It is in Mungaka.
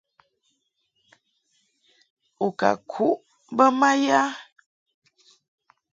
U ka kuʼ bə ma ya ?